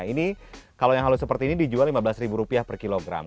ini kalau yang halus seperti ini dijual rp lima belas per kilogram